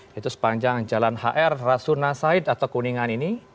yaitu sepanjang jalan hr rasuna said atau kuningan ini